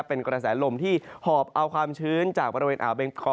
เป็นกระแสลมที่หอบเอาความชื้นจากบริเวณอ่าวเบงคอ